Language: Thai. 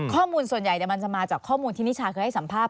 ข้อมูลส่วนใหญ่มันจะมาจากข้อมูลที่นิชาเคยให้สัมภาษณ